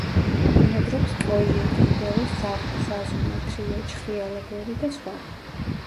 ბინადრობს კოიოტი, მდელოს ძაღლი, ზაზუნა, თრია, ჩხრიალა გველი და სხვა.